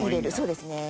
そうですね。